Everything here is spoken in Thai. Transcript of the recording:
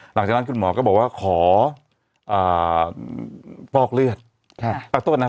หลังจากนั้นคุณหมอก็บอกว่าขออ่าฟอกเลือดใช่ปรับโทษนะฮะ